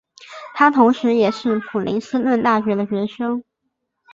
他同时也是普雷斯顿大学的学生。